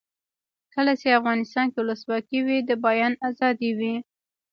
کله چې افغانستان کې ولسواکي وي د بیان آزادي وي.